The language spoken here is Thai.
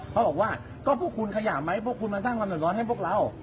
เขาบอกว่าก็พวกคุณขยะไหมพวกคุณมันสร้างความเดือดร้อนให้พวกเรา